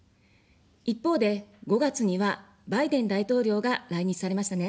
一方で、５月にはバイデン大統領が来日されましたね。